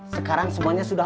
sekarang semuanya berubah